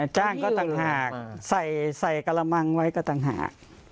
จ้างก็ต่างหากใส่กระมังไว้ก็ต่างหาก